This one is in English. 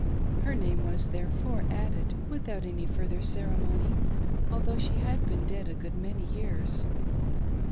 Her name was,, therefore, added without any further ceremony, although she had been dead a good many years.